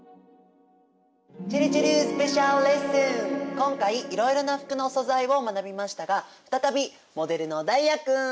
今回いろいろな服の素材を学びましたが再びモデルの太哉君。